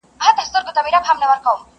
زه به وکړم په مخلوق داسي کارونه٫